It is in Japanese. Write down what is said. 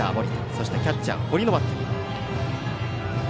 そして、キャッチャー堀のバッテリー。